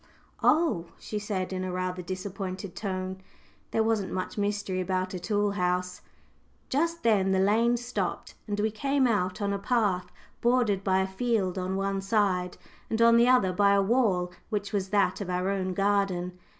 "Oh," she said in a rather disappointed tone. There wasn't much mystery about a tool house! Just then the lane stopped, and we came out on a path bordered by a field on one side, and on the other by a wall which was that of our own garden.